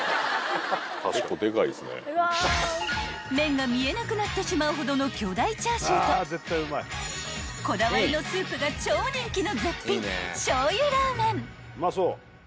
［麺が見えなくなってしまうほどの巨大チャーシューとこだわりのスープが超人気の］